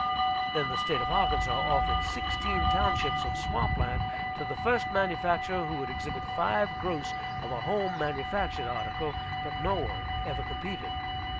Then the State of Arkansas offered sixteen townships of swamp land to the first manufacturer who would exhibit five gross of a home manufactured article. But no one ever competed.